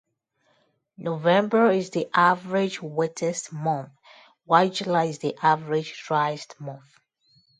November is the average wettest month, while July is the average driest month.